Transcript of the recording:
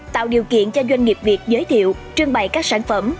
tạo điều kiện cho doanh nghiệp việt giới thiệu trưng bày các sản phẩm